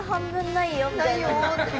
ないよって。